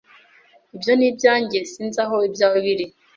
Ibyo ni ibyanjye. Sinzi aho ibyawe biri.